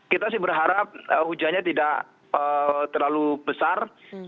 kita sih berharap hujannya tidak terlalu besar